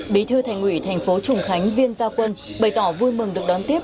bí thư thành ủy thành phố trùng khánh viên gia quân bày tỏ vui mừng được đón tiếp